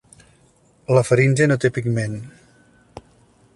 La faringe no té pigment.